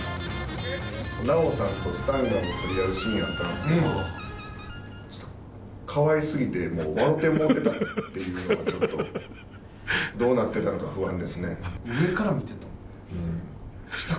奈緒さんとスタンガン取り合うシーンあったんですけど、ちょっと、かわいすぎて、もうわろてもうてたっていうのが、ちょっと、どうなってたか不安で上から見てた？